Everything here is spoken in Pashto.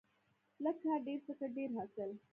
لږ کار، ډیر فکر، ډیر حاصل.